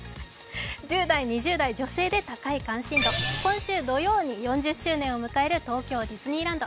１０大２０代女性で高い関心度今週土曜日に４０周年を迎える東京ディズニーランド。